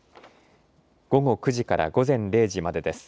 午後９時から午前０時までです。